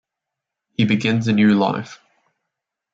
He begins a new life.